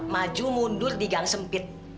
maju mundur digang sempit